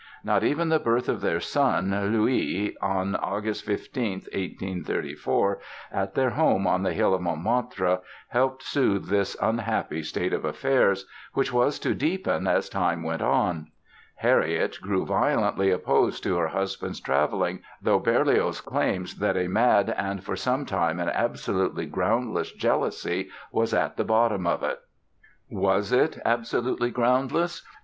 Not even the birth of their son, Louis, on August 15, 1834, at their home on the hill of Montmartre helped smooth this unhappy state of affairs, which was to deepen as time went on. Harriet grew violently opposed to her husband's traveling, though Berlioz claims that "a mad and for some time an absolutely groundless jealousy was at the bottom of it". Was it "absolutely groundless"?